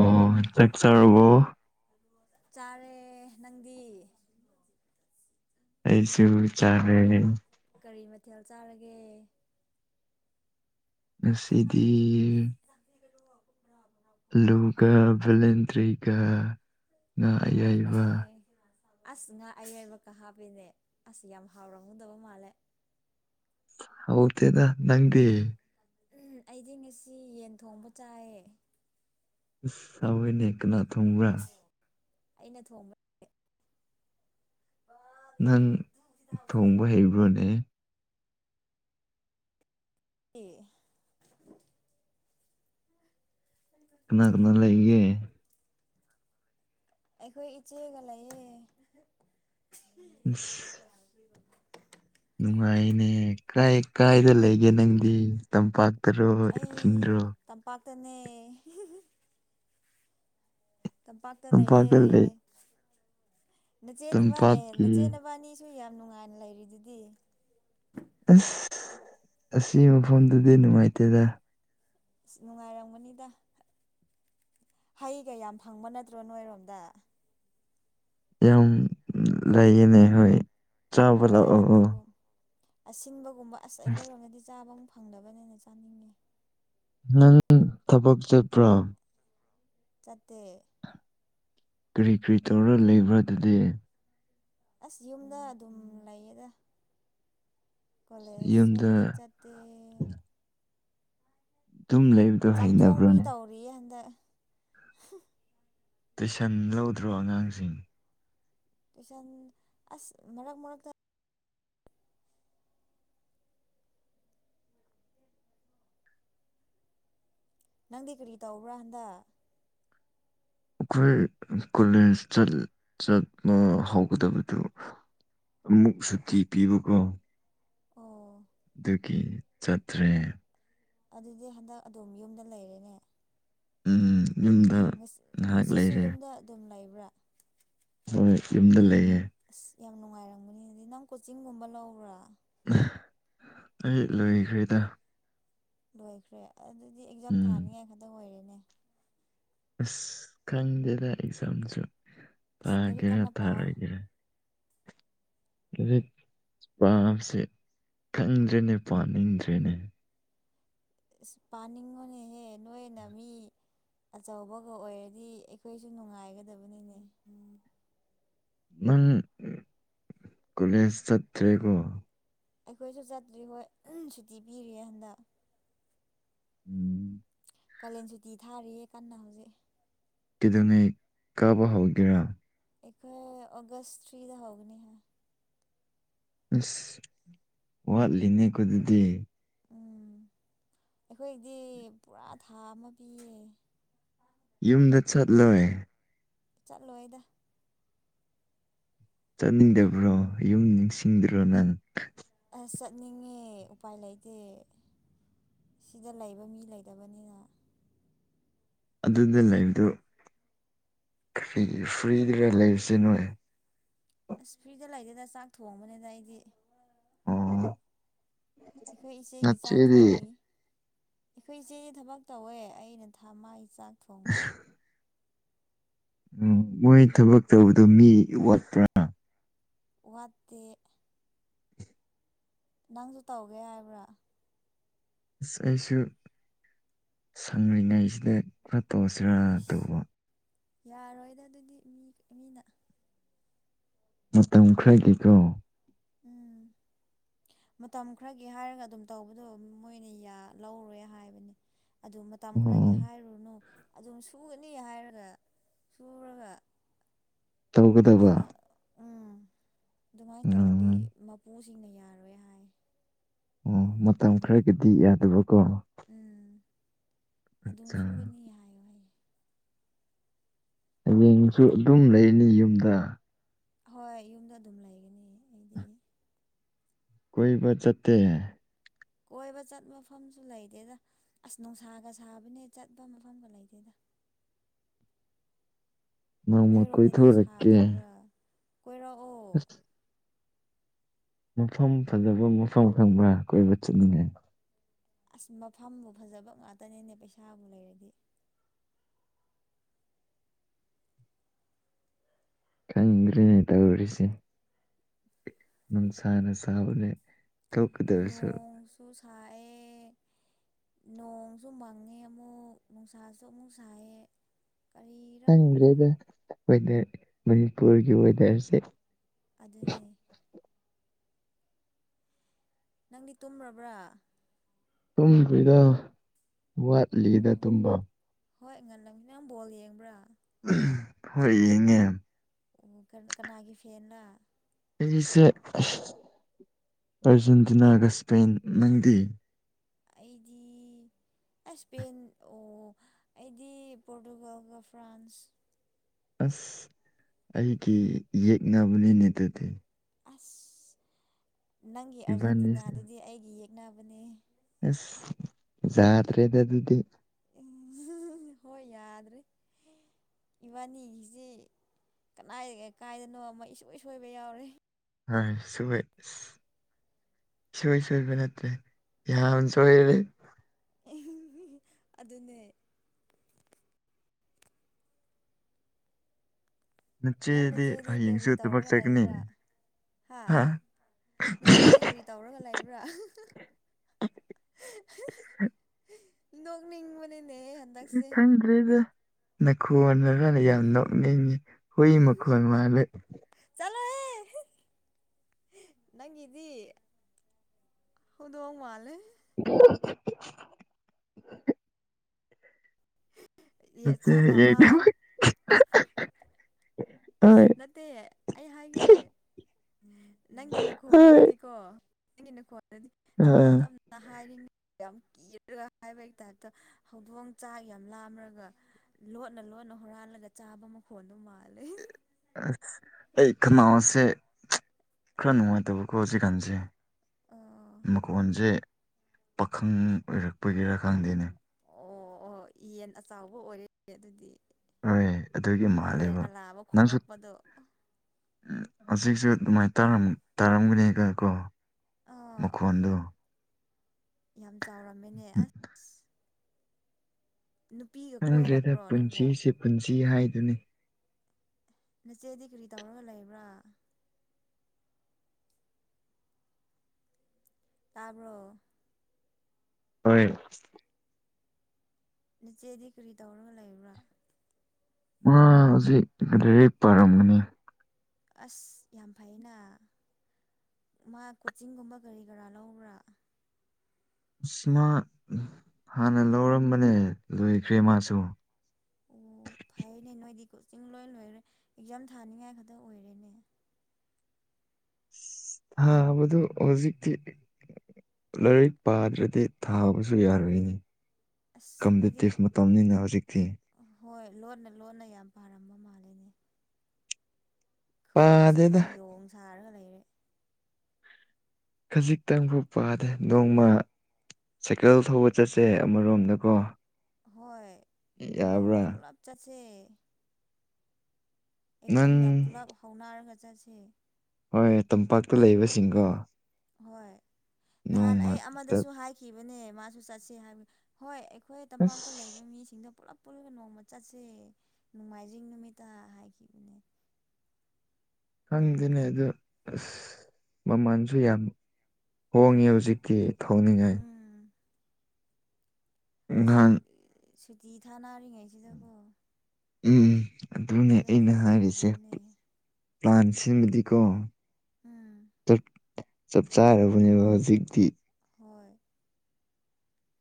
ꯑꯣ ꯆꯥꯛ ꯆꯥꯔꯕꯣ ꯆꯥꯔꯦ ꯅꯪꯗꯤ ꯑꯩꯁꯨ ꯆꯥꯔꯦ ꯀꯔꯤ ꯃꯊꯦꯜ ꯆꯥꯔꯒꯦ ꯉꯁꯤꯗꯤ [unintelligible] ꯑꯂꯨꯒ ꯚꯂꯦꯟꯗ꯭ꯔꯤꯒ ꯉꯥ ꯍꯥꯎꯋꯦꯅꯦ ꯑꯌꯥꯏꯕ ꯑꯁ ꯉꯥ ꯑꯌꯥꯏꯕꯀ ꯍꯥꯞꯄꯦꯅꯦ ꯑꯁ ꯌꯥꯝ ꯍꯥꯎꯔꯝꯒꯗꯕ ꯃꯥꯜꯂꯦ ꯍꯥꯎꯇꯦꯗ ꯅꯪꯗꯤ ꯎꯝ ꯑꯩꯗꯤ ꯉꯁꯤ ꯌꯦꯟ ꯊꯣꯡꯕ ꯆꯥꯏꯌꯦ ꯑꯁ ꯍꯥꯎꯋꯦꯅꯦ ꯀꯅꯥ ꯊꯣꯡꯕ꯭ꯔꯥ ꯑꯩꯅ ꯊꯣꯡꯕ ꯅꯦ ꯅꯪ ꯊꯣꯡꯕ ꯍꯩꯕ꯭ꯔꯣꯅꯦ ꯑꯦ ꯀꯅꯥ ꯀꯅꯥ ꯂꯩꯒꯦ ꯑꯩꯈꯣꯏ ꯏꯆꯦꯒ ꯂꯩꯌꯦ ꯎꯁ ꯅꯨꯡꯉꯥꯏꯅꯦ ꯀꯥꯏ ꯀꯥꯏꯗ ꯂꯩꯒꯦ ꯅꯪꯗꯤ ꯇꯝꯄꯥꯛ ꯇꯔꯣ ꯏꯈꯨꯟꯗꯔꯣ ꯇꯅꯦ ꯇꯝꯄꯥꯛꯇ ꯂꯩꯌꯦ ꯅꯆꯦꯅꯤ ꯋꯥꯟ ꯑꯦ ꯇꯝꯄꯥꯛꯀꯤ ꯅꯆꯦꯅꯕꯥꯅꯤꯁꯨ ꯌꯥꯝ ꯅꯨꯡꯉꯥꯏꯅ ꯂꯩꯔꯤꯗꯨꯗꯤ ꯑꯁ ꯑꯁꯤ ꯃꯐꯝꯗꯨꯗꯤ ꯅꯨꯡꯉꯥꯏꯇꯦꯗ ꯑꯁ ꯅꯨꯡꯉꯥꯏꯔꯝꯒꯅꯤꯗ ꯍꯩꯒ ꯌꯥꯝ ꯐꯪꯕ ꯅꯠꯇ꯭ꯔꯣ ꯅꯣꯏꯔꯣꯝꯗ ꯌꯥꯝ ꯂꯩꯌꯦꯅꯦ ꯍꯣꯏ ꯆꯥꯕ ꯍꯣꯏ ꯂꯥꯛꯑꯣ ꯑꯗꯨꯒꯨꯝ ꯑꯁꯤꯟꯕꯒꯨꯝꯕ ꯑꯁ ꯑꯩꯈꯣꯏꯔꯣꯝꯗꯗꯤ ꯆꯥꯕ ꯑꯃ ꯐꯪꯗꯕꯅꯦꯅ ꯆꯥꯅꯤꯡꯉꯦ ꯅꯪ ꯊꯕꯛ ꯆꯠꯄ꯭ꯔꯥ ꯆꯇ ꯀꯔꯤ ꯀꯔꯤ ꯇꯧꯔ ꯂꯩꯕ꯭ꯔꯥꯗꯗꯤ ꯑꯁ ꯌꯨꯝꯗ ꯑꯗꯨꯝ ꯂꯩꯌꯦꯗ ꯀꯣꯂꯦꯖꯁꯨ ꯌꯨꯝꯗ ꯍꯟꯗꯛ ꯆꯠꯇꯦ ꯑꯗꯨꯝ ꯂꯩꯕꯗꯣ ꯆꯥꯛꯊꯣꯡꯕꯤ ꯍꯩꯅꯕ꯭ꯔꯣꯅꯦ ꯇꯧꯔꯤꯌꯦ [unintelligible] ꯇꯨꯏꯁꯟ ꯂꯧꯗ꯭ꯔꯣ ꯑꯉꯥꯡꯁꯤꯡ ꯇꯨꯏꯁꯟ ꯑꯁ ꯃꯔꯛ ꯃꯔꯛꯇ ꯅꯪꯗꯤ ꯀꯔꯤ ꯇꯧꯕ꯭ꯔꯥ ꯍꯟꯗ ꯑꯩꯈꯣꯏ ꯀꯣꯂꯦꯖ ꯆꯠꯄ ꯍꯧꯒꯗꯕꯗꯨ ꯑꯃꯨꯛ ꯁꯨꯇꯤ ꯄꯤꯕꯀꯣ ꯑꯣ ꯑꯗꯨꯗꯨꯒꯤ ꯆꯠꯊ꯭ꯔꯦ ꯑꯗꯨꯗꯤ ꯍꯟꯗꯛ ꯑꯗꯨꯝ ꯌꯨꯝꯗ ꯂꯩꯔꯦꯅꯦ ꯎꯝ ꯌꯨꯝꯗ ꯉꯥꯏꯍꯥꯛ ꯉꯁꯤꯁꯨ ꯂꯩꯔꯦ ꯌꯨꯝꯗ ꯑꯗꯨꯝ ꯂꯩꯕ꯭ꯔꯥ ꯍꯣꯏ ꯌꯨꯝꯗ ꯂꯩꯌꯦ ꯑꯁ ꯌꯥꯝ ꯅꯨꯡꯉꯥꯏꯔꯝꯕꯅꯤꯗꯤ ꯅꯪ ꯀꯣꯆꯤꯡꯒꯨꯝꯕ ꯂꯧꯕ꯭ꯔꯥ ꯑꯩ ꯂꯣꯏꯈ꯭ꯔꯦꯗ ꯂꯣꯏꯈ꯭ꯔꯦ ꯑꯗꯨꯗꯤ ꯑꯦꯛꯖꯥꯝ ꯎꯝ ꯊꯥꯅꯤꯉꯥꯏ ꯈꯛꯇꯪ ꯑꯣꯏꯔꯦꯅꯦ ꯑꯁ ꯈꯪꯗꯦꯗ ꯑꯦꯛꯖꯥꯝꯁꯨ ꯑꯁ ꯂꯥꯏꯔꯤꯛ ꯂꯥꯛꯑꯒꯦꯔꯥ ꯀꯟꯅ ꯄꯥꯎ ꯊꯥꯔꯣꯏꯒꯦꯔꯥ ꯑ ꯄꯥꯝꯁꯦ ꯈꯪꯗ꯭ꯔꯦꯅꯦ ꯄꯥꯅꯤꯡꯗ꯭ꯔꯦꯅꯦ ꯑ ꯄꯥꯅꯤꯡꯉꯣꯅꯤꯍꯦ ꯅꯣꯏꯅ ꯃꯤ ꯑꯆꯧꯕꯒ ꯑꯣꯏꯔꯗꯤ ꯑꯩꯈꯣꯏꯁꯨ ꯅꯨꯡꯉꯥꯏꯒꯗꯕꯅꯤꯅꯦ ꯎꯝ ꯃ ꯀꯨꯂꯦꯁ ꯆꯇ꯭ꯔꯦꯒꯣ ꯑꯩꯈꯣꯏꯁꯨ ꯆꯠꯇ꯭ꯔꯤ ꯍꯣꯏ ꯎ ꯁꯨꯇꯤ ꯄꯤꯔꯤꯌꯦ ꯍꯟꯗꯛ ꯎꯝ ꯀꯥꯂꯦꯟ ꯁꯨꯇꯤ ꯊꯥꯔꯤꯌꯦ ꯀꯟꯅ ꯍꯧꯖꯤꯛ ꯀꯩꯗꯧꯉꯩ ꯀꯥꯕ ꯍꯧꯒꯦꯔꯥ ꯑꯩꯣꯏ ꯑꯣꯒꯁ ꯊꯔꯤꯗ ꯍꯧꯒꯅꯤ ꯍꯥꯏ ꯑꯁ ꯋꯥꯠꯂꯤꯅꯦꯀꯣ ꯑꯗꯨꯗꯤ ꯎꯝ ꯑꯩꯈꯣꯏꯗꯤ ꯄꯨꯔꯥ ꯊꯥ ꯑꯃ ꯄꯤꯌꯦ ꯌꯨꯝꯗ ꯆꯠꯂꯣꯏ ꯆꯠꯂꯣꯏꯗ ꯆꯠꯅꯤꯡꯗꯕ꯭ꯔꯣ ꯌꯨꯝ ꯅꯤꯡꯁꯤꯡꯗ꯭ꯔꯣ ꯅꯪ ꯑꯁ ꯆꯠꯅꯤꯡꯉꯦ ꯎꯄꯥꯏ ꯂꯩꯇꯦ꯫ ꯁꯤꯗ ꯂꯩꯕ ꯃꯤ ꯂꯩꯇꯕꯅꯤꯅ꯫ ꯑꯗꯨꯗ ꯂꯩꯕꯗꯨ ꯐ꯭ꯔꯤ ꯐ꯭ꯔꯤꯗꯔ ꯂꯩꯔꯤꯁꯦ ꯅꯣꯏ꯫ ꯑꯁ ꯐ꯭ꯔꯤꯗ ꯂꯩꯗꯦꯗ ꯆꯥꯛ ꯊꯣꯡꯕꯅꯤꯅ ꯑꯩꯗꯤ꯫ ꯑꯣ꯫ ꯑꯩꯈꯣꯏ ꯏꯆꯦꯒꯤ ꯆꯥꯛ ꯅꯆꯦꯗꯤ ꯊꯣꯡꯂꯤ꯫ ꯑꯈꯣꯏ ꯏꯆꯦꯗꯤ ꯊꯕꯛ ꯇꯧꯋꯦ ꯑꯩꯅ ꯊꯥ ꯃꯥꯒꯤ ꯆꯥꯛ ꯊꯣꯡꯕ꯫ ꯎꯝ ꯃꯣꯏ ꯊꯕꯛ ꯇꯧꯕꯗꯣ ꯃꯤ ꯋꯥꯠꯄ꯭ꯔꯥ꯫ ꯋꯥꯠꯇꯦ꯫ ꯅꯪꯁꯨ ꯇꯧꯒꯦ ꯍꯥꯏꯕ꯭ꯔꯥ꯫ ꯑꯁ ꯑꯩꯁꯨ ꯁꯪꯂꯤꯉꯩꯁꯤꯗ ꯈꯔ ꯇꯣꯁꯤꯔꯥ ꯏꯁ ꯇꯧꯕ꯫ ꯌꯥꯔꯣꯏꯗ ꯑꯗꯨꯗꯤ ꯃꯤ ꯃꯤꯅ꯫ ꯃꯇꯝ ꯈꯔꯒꯤꯀꯣ꯫ ꯎꯝ [inaudible] [unintelligible] ꯃꯇꯝ ꯈꯔꯒꯤ ꯍꯥꯏꯔꯒ ꯑꯗꯨꯝ ꯇꯧꯕꯗꯣ ꯃꯣꯏꯅ ꯌꯥ ꯂꯧꯔꯣꯏ ꯍꯥꯏꯕꯅꯤ꯫ ꯑꯗꯨ ꯃꯇꯝ ꯈꯔꯒꯤ ꯑꯣ ꯍꯥꯏꯔꯨꯅꯨ꯫ ꯑꯗꯨꯝ ꯁꯨꯒꯅꯤ ꯍꯥꯏꯔꯒ ꯁꯨꯔꯒ ꯇꯧꯒꯗꯕ꯫ ꯅꯪꯅ ꯎꯝ ꯑꯗꯨꯃꯥꯏꯅ ꯇꯧꯔꯗꯤ ꯎꯝ ꯃꯄꯨꯁꯤꯡꯅ ꯌꯥꯔꯣꯏ ꯍꯥꯏ꯫ ꯑꯣ ꯃꯇꯝ ꯈꯔꯒꯤꯗꯤ ꯌꯥꯗꯕꯀꯣ꯫ ꯎꯝ ꯑꯗꯨꯝ ꯑꯠꯆꯥ ꯁꯨꯒꯅꯤ ꯍꯥꯏꯌꯨ ꯍꯥꯏꯌꯦ꯫ ꯍꯌꯦꯡꯁꯨ ꯑꯗꯨꯝ ꯂꯩꯅꯤ ꯌꯨꯝꯗ꯫ ꯍꯣꯏ ꯌꯨꯝꯗ ꯑꯗꯨꯝ ꯂꯩꯒꯅꯤ ꯑꯩꯗꯤ꯫ ꯀꯣꯏꯕ ꯆꯠꯇꯦ꯫ ꯀꯣꯏꯕ ꯆꯠꯄ ꯃꯐꯝꯁꯨ ꯂꯩꯇꯦꯗ ꯑꯁ ꯅꯨꯡꯁꯥꯒ ꯁꯥꯕꯅꯦ ꯆꯠꯄ ꯃꯐꯝꯒ ꯂꯩꯇꯦꯗ꯫ [unintelligible] [inaudible] ꯅꯣꯡꯃ ꯀꯣꯏ ꯅꯣꯏꯔꯣꯝꯗꯗꯤ ꯊꯣꯛꯔꯛꯀꯦ꯫ ꯁꯥꯗꯕ꯭ꯔꯥ ꯀꯣꯏꯔꯛꯑꯣ ꯑꯁ [unintelligible] [inaudible] ꯃꯐꯝ ꯐꯖꯕ ꯃꯐꯝ ꯈꯪꯕ꯭ꯔꯥ ꯀꯣꯏꯕ ꯆꯠꯅꯤꯡꯉꯦ꯫ ꯑꯁ ꯃꯐꯝꯕꯨ ꯐꯖꯕ ꯉꯥꯛꯇꯅꯤꯅꯦ ꯄꯩꯁꯥꯕꯨ ꯂꯩꯔꯗꯤ꯫ ꯈꯪꯗ꯭ꯔꯤꯉꯩ ꯇꯧꯔꯤꯁꯦ꯫ ꯅꯨꯡꯁꯥꯅꯁꯥꯕꯅꯦ꯫ ꯅꯣꯡꯁꯨ ꯁꯥꯑꯦ꯫ ꯅꯣꯡꯁꯨ ꯃꯪꯉꯦ ꯑꯃꯨꯛ ꯅꯨꯡꯁꯥꯁꯨ ꯑꯃꯨꯛ ꯁꯥꯏꯌꯦ꯫ ꯈꯪꯗ꯭ꯔꯦꯗ ꯋꯦꯗꯔ ꯃꯅꯤꯄꯨꯔꯒꯤ ꯋꯦꯗꯔꯁꯦ꯫ ꯑꯗꯨꯅꯤ꯫ ꯅꯪꯗꯤ ꯇꯨꯝꯔꯕ꯭ꯔꯥ꯫ ꯇꯨꯝꯗ꯭꯭ꯔꯤꯗ ꯑꯣ ꯋꯥꯠꯂꯤꯗ ꯇꯨꯝꯕ꯫ ꯍꯣꯏ ꯉꯜꯂꯃꯤ ꯅ ꯕꯣꯜ ꯌꯦꯡꯕ꯭ꯔꯥ꯫ ꯍꯣꯏ ꯌꯦꯡ ꯉꯦ꯫ ꯎ ꯀꯅꯥꯒꯤ ꯐꯦꯟꯔꯥ꯫ ꯑꯩꯁꯦ ꯑꯔꯖꯦꯟꯇꯤꯅꯥꯒ ꯏꯁꯄꯦꯟ ꯅꯪꯗꯤ꯫ ꯑꯩꯗꯤ ꯏꯁꯄꯦꯟ ꯑꯣ ꯑꯩꯗꯤ ꯄꯣꯔꯇꯨꯒꯜꯒ ꯐ꯭ꯔꯥꯟꯁ꯫ ꯑꯁ ꯑꯩꯒꯤ ꯌꯦꯛꯅꯕꯅꯤꯅꯦ ꯑꯗꯨꯗꯤ꯫ ꯑꯁ ꯅꯪꯒꯤ ꯏꯕꯥꯅꯤꯁꯦ ꯑꯥꯔꯖꯦꯟꯇꯤꯅꯥꯗꯨꯗꯤ ꯑꯩꯒꯤ ꯌꯦꯛꯅꯕꯅꯦ꯫ ꯌꯥꯗꯔ꯭ꯦꯗꯥ ꯑꯗꯨꯗꯤ꯫ ꯍꯣꯏ ꯌꯥꯗ꯭ꯔꯦ꯫ ꯏꯕꯥꯅꯤꯁꯤ ꯀꯗꯥꯏ ꯀꯥꯏꯗꯅꯣ ꯑꯃ ꯁꯁꯣꯏ ꯁꯣꯏꯕ ꯌꯥꯎꯔꯤꯦ ꯑ ꯁꯋꯦꯁ [inaudible] [unintelligible] ꯁꯏ ꯁꯣꯏꯕ ꯅꯠꯇ꯭ꯔꯦ ꯌꯥꯁꯨꯔꯦ ꯑꯗꯨꯅꯦ ꯅꯣꯏ ꯅꯆꯦꯗꯤ ꯀꯔꯤ ꯍꯌꯦꯡꯁꯨ ꯊꯕꯛ ꯇꯧꯔꯒ ꯆꯠꯒꯅꯤ ꯂꯩꯕ꯭ꯔꯥ ꯍꯥ ꯅꯆꯦꯗꯤ ꯀꯔꯤ ꯇꯧꯔꯒ ꯂꯩꯕ꯭ꯔꯥ [unintelligible] [inaudible] ꯅꯣꯛ ꯅꯤꯡ ꯕꯅꯦ ꯊꯪꯗ꯭ꯔꯔꯤꯗ ꯅꯈꯣꯟꯗꯨꯒ ꯌꯥꯝ ꯅꯣꯛꯅꯤꯡ ꯌꯦ ꯍꯨꯢ ꯃꯈꯣꯜ ꯃꯥꯜꯒꯦ [inaudible] [unintelligible] ꯅꯪ ꯏꯤꯗꯤ ꯎꯗꯣꯡꯣꯡ ꯃꯥꯜ ꯑ [unintelligible] [inaudible] ꯑꯁꯦ ꯆꯥꯛ ꯌꯥꯝ ꯂꯥꯝ ꯅꯪ [unintelligible] [inaudible] ꯅꯠꯇꯦ ꯑꯩ ꯍꯥꯏꯒꯦ ꯅꯪꯒꯤ ꯍꯣꯏ ꯅꯈꯣꯟꯗꯨꯗꯤꯀꯣ ꯅꯪꯒꯤ ꯅꯈꯣꯟꯗꯨꯗꯤ ꯇꯞꯅ ꯑꯥ ꯇꯞꯅ ꯍꯥꯏꯔꯤꯉꯩ ꯌꯥꯝ ꯀꯤꯔꯒ ꯍꯥꯏꯕꯒꯤ ꯇꯥꯏꯞꯇ ꯍꯧꯗꯣꯡ ꯆꯥꯛ ꯌꯥꯝ ꯂꯥꯝꯔꯒ ꯂꯣꯠꯅ ꯂꯣꯠꯅ ꯍꯨꯔꯥꯜꯂꯒ ꯆꯥꯕ ꯃꯈꯣꯟꯗꫭ ꯃꯥꯜꯂꯦ ꯑꯁ ꯑꯩ ꯈꯅꯥꯎꯁꯦ ꯈꯔ ꯅꯨꯡꯉꯥꯏꯇꯕꯀꯣ ꯍꯧꯖꯤꯛꯀꯥꯟꯁꯦ ꯑꯥ ꯃꯈꯣꯟꯖꯦ ꯄꯥꯈꯪ ꯑꯣꯏꯔꯛꯄꯒꯤꯔꯥ ꯈꯪꯗꯦꯅꯦ ꯑꯣ ꯑꯣ ꯌꯦꯟ ꯑꯆꯥꯎꯕ ꯑꯣꯏꯔꯦ ꯑꯗꯨꯗꯤ ꯍꯣꯏ ꯑꯗꯨꯒꯤ ꯌꯦꯟ ꯃꯥꯜꯂꯦꯕ ꯑꯂꯥꯕ ꯅꯪꯁꯨ ꯎ ꯈꯣꯡꯂꯛꯄꯗꯣ ꯑꯁꯤꯛꯁꯨ ꯑꯗꯨꯃꯥꯏꯅ ꯇꯥꯔꯝ ꯇꯥꯔꯝꯒꯅꯤꯒ ꯀꯣ ꯑꯥ ꯃꯨꯈꫭꯟꯗꯨ ꯌꯥꯝ ꯆꯥꯎꯔꯝꯃꯦꯅꯦ ꯑꯁ ꯅꯨꯄꯤꯒ ꯈꯪꯗ꯭ꯔꯦꯗ ꯀꯣꯏꯔꯕ꯭ꯔꯣ ꯅꯪꯕꯨ ꯄꯨꯟꯁꯤꯁꯤ ꯄꯨꯟꯁꯤ ꯍꯥꯏꯗꯨꯅꯤ ꯅꯆꯦꯗꯤ ꯀ꯭ꯔꯤ ꯇꯧꯔꯒ ꯂꯩꯕ꯭ꯔꯥ ꯇꯥꯕ꯭ꯔꫭ ꯍꯣꯏ ꯅꯆꯦꯗꯤ ꯀ꯭ꯔꯤ ꯇꯧꯔꯒ ꯂꯩꯕ꯭ꯔꯥ ꯃꯥ ꯍꯨꯖꯤꯛ ꯂꯔꯤꯛ ꯄꯥꯔꯝꯒꯅꯤ ꯑꯁ ꯌꯥꯝ ꯐꯩꯑꯅ ꯃꯥ ꯀꯣꯆꯤꯡꯒꯨꯝꯕ ꯀꯔꯤ ꯀꯔꯥ ꯂꯧꯕ꯭ꯔꯥ ꯏꯁ ꯃꯥ ꯍꯥꯟꯅ ꯂꯧꯔꯝꯕꯅꯦ ꯂꯣꯏꯈ꯭ꯔꯦ ꯃꯥꯁꯨ [inaudible] ꯐꯩꯌꯦꯅꯦ ꯅꯣꯏꯗꯤ ꯀꯣꯆꯤꯡ ꯂꯣꯏ ꯂꯣꯏꯔꯦ ꯑꯦꯛꯖꯥꯝ ꯊꯥꯅꯤꯡꯉꯥꯏ ꯈꯛꯇ ꯑꯣꯏꯔꯦꯅꯦ ꯊꯥꯕꯗꯨ ꯍꫭꯖꯤꯛꯇꯤ ꯂꯥꯏꯔꯤꯛ ꯄꯥꯗ꯭ꯔꯗꯤ ꯊꯥꯕꯁꯨ ꯌꯥꯔꯣꯏꯅꯦ ꯑꯁ ꯅꯣꯏꯗꯤ ꯀꯝꯄꯤꯇꯤꯐ ꯃꯇꯝꯅꯤꯅ ꯍꯨꯖꯤꯛꯇꯤ ꯍꯣꯏ ꯂꯣꯟꯅ ꯂꯣꯟꯅ ꯌꯥꯝ ꯄꯥꯔꯝꯕ ꯃꯥꯜꯂꯤꯅꯦ ꯑꯈꯣꯏꯅ ꯁꯤꯗ ꯄꯥꯗꯦꯗ ꯌꯣꯡ ꯁꯥꯔꯒ ꯂꯩꯔꯦ ꯈꯖꯤꯛꯇꯪꯕꯨ ꯄꯥꯗ ꯅꯣꯡꯃ ꯁꯥꯏꯀꯜ ꯊꯧꯕ ꯆꯠꯁꯦ ꯑꯃꯔꯣꯝꯗꯀꯣ ꯍꯣꯏ ꯅꯣꯡꯃ ꯌꯥꯕ꯭ꯔꯥ ꯄꯨꯂꯞ ꯆꯠꯁꯦ ꯑꯩꯈꯣꯏ ꯅꯪ ꯃꯤꯌꯥꯝ ꯄꯨꯂꯞ ꯍꯧꯅꯥꯔꯒ ꯆꯠꯁꯦ ꯍꯣꯏ ꯇꯝꯄꯥꯛꯇ ꯂꯩꯕꯁꯤꯡꯒꯣ ꯍꯣꯏ ꯅꯍꯥꯟ ꯑꯩ ꯑꯃꯗꯁꯨ ꯆꯠ- ꯍꯥꯏꯈꯤꯕꯅꯦ ꯃꯥꯁꯨ ꯆꯠꯁꯦ ꯍꯥꯏꯕ ꯍꯣꯏ ꯑ ꯑꯩꯈꯣꯏ ꯇꯝꯄꯥꯛꯇ ꯂꯩꯕ ꯑꯁ ꯃꯤꯁꯤꯡꯗ ꯄꯨꯜꯂꯞ ꯄꯨꯜꯂ ꯅꯣꯡꯃ ꯆꯠꯁꯦ ꯅꯣꯡꯃꯥꯏꯖꯤꯡ ꯅꯨꯃꯤꯠꯇꯥ ꯍꯥꯏꯈꯤꯕꯅꯦ ꯈꯪꯗꯦꯅꯦ ꯑꯗꯨ ꯑꯁ ꯃꯃꯥꯟꯁꯨ ꯌꯥꯝ ꯍꯣꯡꯉꯦ ꯍꯨꯖꯤꯛꯇꯤ ꯊꯧꯅꯤꯡꯉꯥꯏ ꯎꯝ ꯍꯧꯖꯤꯛ ꯏꯉꯥꯡ ꯁꯨꯇꯤ ꯊꯥꯅꯥꯔꯤꯉꯩꯁꯤꯗꯀꯣ ꯎꯝ ꯑꯗꯨꯅꯦ ꯑꯩꯅ ꯍꯥꯏꯔꯤꯁꯦ ꯌꯥꯕꯅꯦ ꯄ꯭ꯂꯥꯟ ꯁꯤꯃꯗꯤꯀꯣ ꯎꯝ ꯆꯞ ꯆꯞ ꯆꯥꯔꯕꯅꯦꯕ ꯍꯧꯖꯤꯛꯇꯤ ꯍꯣꯏ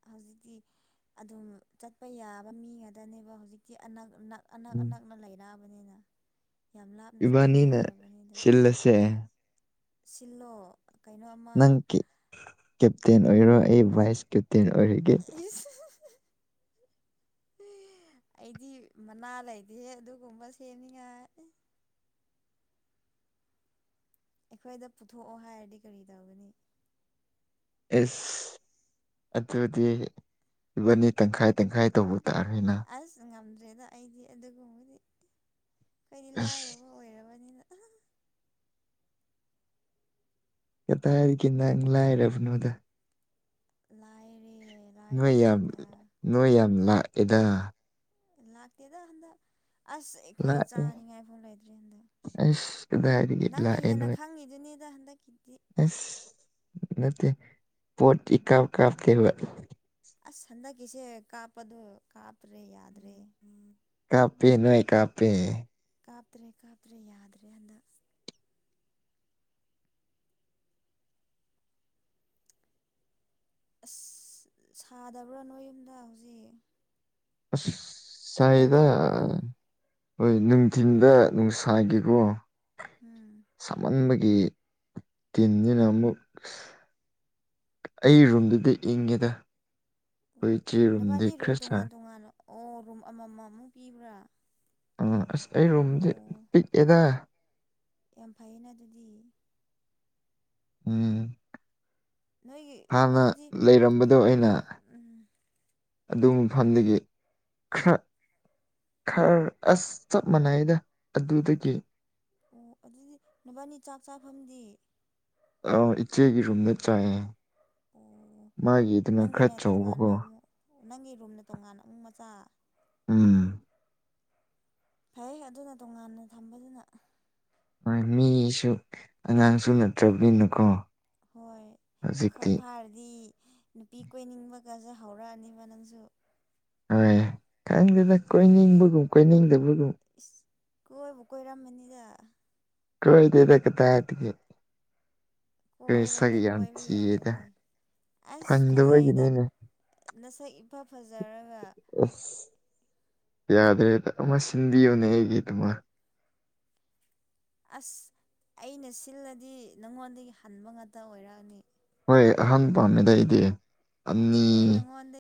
ꯍꯧꯖꯤꯛꯇꯤ ꯑꯗꯨꯝ ꯆꯠꯄ ꯌꯥꯕ ꯃꯤꯉꯗꯅꯦꯕ ꯍꯨꯖꯤꯛꯇꯤ ꯑꯅꯛ ꯅꯛ ꯑꯅꯛ ꯎꯝ ꯑꯅꯛꯅ ꯂꯩꯔꯥꯕ ꯏꯕꯥꯅꯤꯅ ꯂꯩꯅꯗ꯭ꯔꯕꯅꯤꯗ ꯁꯤꯜꯂꯁꯦ ꯁꯤꯜꯂꯣ ꯀꯩꯅꯣ ꯑꯃ ꯇꯦꯟ ꯑꯣꯏꯔꯣ ꯑꯩ ꯚꯥꯏꯁ ꯀꯦꯞꯇꯦꯟ ꯑꯣꯏꯔꯒꯦ [inaudible] [unintelligible] ꯑꯩꯗꯤ ꯃꯅꯥ ꯂꯩꯗꯤꯍꯦ ꯑꯗꯨꯒꯨꯝꯕ ꯁꯦꯝꯅꯤꯉꯥꯏ ꯑꯩꯈꯣꯏꯗ ꯄꯨꯊꯣꯛꯑꯣ ꯍꯥꯏꯔꯗꯤ ꯀꯔꯤ ꯇꯧꯒꯅꯤ ꯑꯦꯁ ꯑꯗꯨꯗꯤ ꯏꯕꯅꯤ ꯇꯪꯈꯥꯏ ꯇꯪꯈꯥꯏ ꯇꯧꯕ ꯇꯥꯔꯦꯅ ꯑꯁ ꯉꯝꯗ꯭ꯔꯦꯗꯣ ꯑꯩꯗꯤ ꯑꯗꯨꯒꯨꯝꯕꯗꯤ ꯀꯩꯗꯤ ꯑꯁ ꯂꯥꯏꯔꯕ ꯑꯣꯏꯔꯕꯅꯤꯅ ꯀ ꯇ ꯑ ꯀꯅ ꯂꯑꯔ ꯅꯗ ꯂꯥꯏꯔꯦ ꯅꯨ ꯂꯥꯏꯔꯔꯦ ꯌꯥꯝ ꯍꯟꯗꯛ ꯅꯨ ꯌꯥꯝ ꯂꯥꯛ ꯑꯦꯗ ꯂꯥꯛꯇꯦꯗ ꯍꯟꯗꯛ ꯑꯁ ꯑꯩꯈꯣꯏ ꯂꯥꯛꯑꯦ ꯆꯥꯅꯤꯡꯉꯥꯏ ꯐꯥꯎ ꯂꯩꯇ꯭ꯔꯦ ꯍꯟꯗꯛ ꯑꯁ ꯀꯗꯥꯏꯗꯒꯤ ꯅꯪꯅ ꯍꯦꯟꯅ ꯈꯪꯉꯤꯗꯨꯅꯤꯗ ꯍꯟꯗꯛꯀꯤꯗꯤ ꯑꯦꯁ ꯅꯠꯇꯦ ꯄꯣꯠ ꯏ ꯀꯥꯞ ꯀꯥꯞ ꯀꯩ ꯑꯁ ꯍꯟꯗꯛꯀꯤꯁꯦ ꯀꯥꯞꯄꯗꯣ ꯀꯥꯞꯇ꯭ꯔꯦ ꯌꯥꯗ꯭ꯔꯦ ꯀꯥꯄꯤ ꯅ ꯀꯥꯄꯤ ꯀꯥꯞꯇ꯭ꯔꯦ ꯀꯥꯞꯇ꯭ꯔꯦ ꯌꯥꯗ꯭ꯔꯦ ꯍꯟꯗ ꯑꯁ ꯁꯥꯗꯕ꯭ꯔꯥ ꯅꯣꯏ ꯌꯨꯝꯗ ꯍꯧꯖꯤꯛ ꯑ ꯐꯦꯟ ꯁꯍꯤꯗ ꯊꯥꯕ꯭ꯔꯥ ꯍꯣꯏ ꯅꯨꯡꯊꯤꯤꯟꯗ ꯅꯨꯡꯁꯥꯒꯦꯀꯣ ꯎꯝ ꯇꯤꯅ ꯅꯝꯕ ꯑꯩ ꯔꯨꯝꯗꯨꯗꯤ ꯏꯪꯉꯦꯗ ꯑꯩꯈꯣꯏ ꯑꯣ ꯏꯆꯦ ꯔꯨꯝꯗꯤ ꯅꯕꯥꯅꯤ ꯔꯨꯝ ꯈꯔ ꯇꯣꯉꯥꯟ ꯁꯔ ꯇꯣꯉꯥꯟ ꯑꯣ ꯔꯨꯝ ꯑꯃꯃꯃꯨꯛ ꯄꯤꯕ꯭ꯔꯥ ꯑꯥ ꯑꯁ ꯑꯩ ꯔꯨꯝꯁꯦ ꯑꯣ ꯄꯤꯛꯑꯦꯗ ꯌꯥꯝ ꯐꯩꯌꯦꯅ ꯑꯗꯨꯗꯤ ꯎꯝ ꯅꯣꯏꯒꯤ ꯍꯥꯟꯅ ꯑꯗꯨꯗꯤ ꯂꯩꯔꯝꯕꯗꯣ ꯑꯩꯅ ꯎꯝ ꯑꯗꯨ ꯃꯐꯝꯗꯒꯤ ꯈꯔ ꯈꯔ ꯑꯁ ꯆꯞ ꯃꯥꯟꯅꯩꯗ ꯑꯗꯨꯗꯒꯤ ꯑꯣ ꯑꯗꯨꯗꯤ ꯅꯨꯄꯥꯅꯤ ꯆꯥꯛ ꯆꯥꯐꯝꯗꯤ ꯑ ꯏꯆꯦꯒꯤ ꯔꯨꯝꯗ ꯆꯥꯏ ꯑꯣ ꯅꯪꯒꯤꯅ ꯇꯣꯉꯥꯟꯅ ꯑꯃꯨꯛ ꯅꯪꯒꯤ ꯔꯨꯝꯅ ꯇꯣꯉꯥꯟꯅ ꯑꯃꯨꯛ ꯃꯆꯥ ꯎꯝ ꯐꯩ ꯑꯗꯨꯅ ꯇꯣꯉꯥꯟꯅ ꯊꯝꯕꯗꯨꯅ ꯍꯣꯏ ꯃꯤꯁꯨ ꯑꯉꯥꯡꯁꯨ ꯅꯠꯇ꯭ꯔꯕꯤꯅꯨꯀꯣ ꯍꯣꯏ ꯄꯥꯈꯪ ꯐꯥꯔꯗꯤ ꯅꯨꯄꯤ ꯀꯣꯏꯅꯤꯡꯕ ꯒꯖꯥ ꯍꯧꯔꯥꯑꯅꯤ ꯃꯅꯁꯨ ꯍꯣꯏ ꯈꯪꯗꯅ ꯀꯣꯏꯅꯤꯡꯕꯒꯨꯝ ꯀꯣꯏꯅꯤꯡꯗꯕ ꯀꯣꯏꯕꯨ ꯀꯣꯏꯔꯝꯕꯅꯤꯗ ꯀꯣꯏꯗꯔ ꯀ ꯇꯥꯏꯒꯦ ꯀꯩꯁꯥ ꯀ ꯀꯣꯏꯔꯣꯅꯦ ꯌꯥ ꯀꯣꯏꯕ ꯆꯗ ꯌꯥꯔꯦꯅꯦ ꯑꯁ ꯐꯖꯩꯗ ꯅꯁꯛ ꯏꯐ ꯐꯖꯔꯒ ꯑꯁ ꯌꯥꯗ꯭ꯔꯦꯗ ꯑꯃ ꯁꯤꯟꯕꯤꯌꯨꯅꯦ ꯑꯩꯒꯤꯗꯨꯃ ꯑꯁ ꯑꯩꯅ ꯁꯤꯜꯂꯗꯤ ꯅꯪꯉꯣꯟꯗꯒꯤ ꯍꯟꯕ ꯉꯥꯛꯇ ꯑꯣꯏꯔꯛꯑꯅꯤ ꯍꯣꯏ ꯑꯍꯥꯡ ꯄꯥꯝꯃꯤꯗ ꯑꯩꯗꯤ ꯑꯅꯤ ꯑꯦ ꯅꯪꯉꯣꯟꯗ